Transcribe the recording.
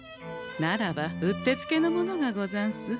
ならばうってつけのものがござんす。